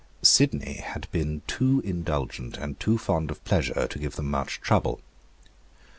Sidney had been too indulgent and too fond of pleasure to give them much trouble.